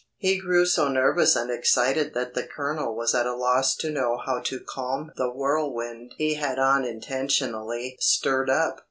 He grew so nervous and excited that the Colonel was at a loss to know how to calm the whirlwind he had unintentionally stirred up.